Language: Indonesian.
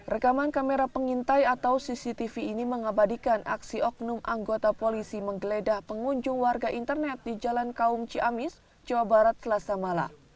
rekaman kamera pengintai atau cctv ini mengabadikan aksi oknum anggota polisi menggeledah pengunjung warga internet di jalan kaum ciamis jawa barat selasa malam